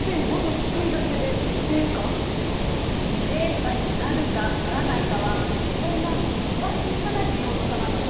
冷夏になるかならないかはそんな僅かな気温の差なのよ。